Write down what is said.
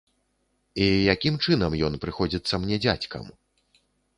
І якім чынам ён прыходзіцца мне дзядзькам?